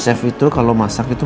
chef itu kalau masak itu